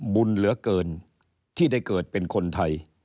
บุญเหลือเกินที่ได้เกิดเป็นคนไทย